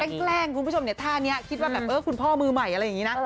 แกล้งคุณผู้ชมเนี่ยท่านี้คิดว่าแบบเออคุณพ่อมือใหม่อะไรอย่างนี้นะ